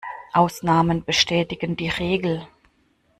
Ausnahmen bestätigen die Regel.